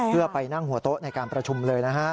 เพื่อไปนั่งหัวโต๊ะในการประชุมเลยนะฮะ